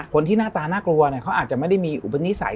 คนที่หน้าตาน่ากลัวเขาอาจจะไม่ได้มีอุปนิสัย